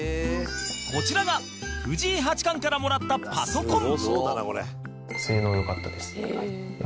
こちらが藤井八冠からもらったパソコン